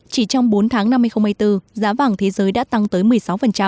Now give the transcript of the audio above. chỉ trong bốn tháng năm hai nghìn hai mươi bốn giá vàng thế giới đã tăng tới một mươi sáu